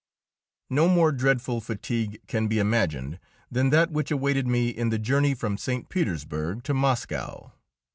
No more dreadful fatigue can be imagined than that which awaited me in the journey from St. Petersburg to Moscow.